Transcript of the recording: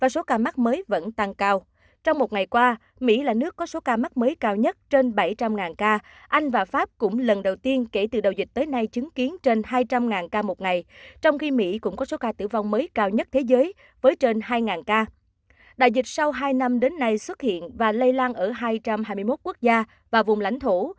sau hai năm đến nay xuất hiện và lây lan ở hai trăm hai mươi một quốc gia và vùng lãnh thổ